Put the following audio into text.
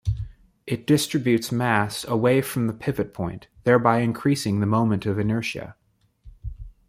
It distributes mass away from the pivot point, thereby increasing the moment of inertia.